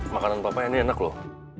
makanan papa ini enak loh